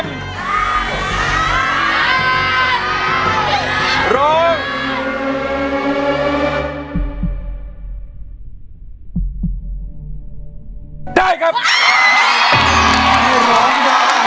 มูลค่า๔๐๐๐๐บาท